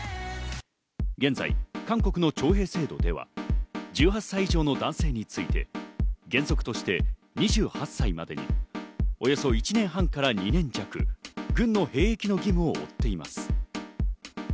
現在、韓国の徴兵制度では１８歳以上の男性について原則として２８歳までにおよそ１年半から２年弱、軍の兵役の義務を負っています。